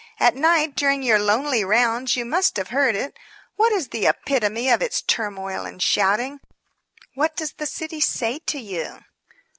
At night during your lonely rounds you must have heard it. What is the epitome of its turmoil and shouting? What does the city say to you?"